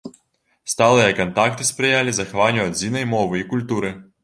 Сталыя кантакты спрыялі захаванню адзінай мовы і культуры.